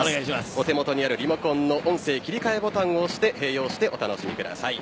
お手元にあるリモコンの音声切替ボタンを押して併用してお楽しみください。